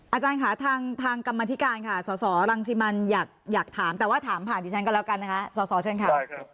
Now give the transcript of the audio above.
อาจารย์ค่ะทางกรรมธิการค่ะสสรังสิมันอยากถามแต่ว่าถามผ่านดิฉันก็แล้วกันนะคะสสเชิญค่ะ